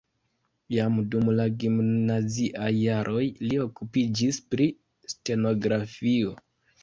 Jam dum la gimnaziaj jaroj li okupiĝis pri stenografio.